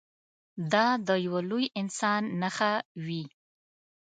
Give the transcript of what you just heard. دا د یوه لوی انسان نښه وي.